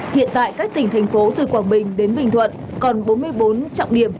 hiện tại các tỉnh thành phố từ quảng bình đến bình thuận còn bốn mươi bốn trọng điểm